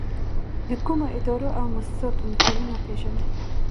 د کومو ادارو او مؤسساتو نښانونه پېژنئ؟